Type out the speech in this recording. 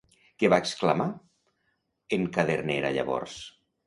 Què va exclamar en Cadernera llavors?